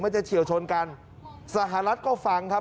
เฉียวชนกันสหรัฐก็ฟังครับ